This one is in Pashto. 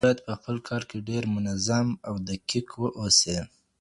ته باید په خپل کار کي ډېر منظم او دقیق واوسې.